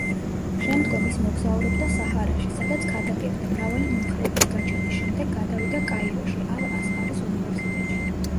შემდგომ ის მოგზაურობდა საჰარაში სადაც ქადაგებდა, მრავალი მომხრეების გაჩენის შემდეგ გადავიდა კაიროში ალ-აზჰარის უნივერსიტეტში.